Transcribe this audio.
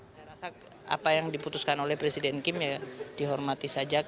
saya rasa apa yang diputuskan oleh presiden kim ya dihormati saja